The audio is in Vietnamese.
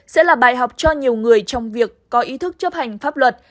sẽ là bài học cho nhiều người trong việc có ý thức chấp hành pháp luật